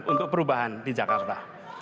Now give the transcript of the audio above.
untuk perubahan di jakarta